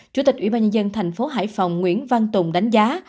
chủ tịch ubnd tp hải phòng nguyễn văn tùng đánh giá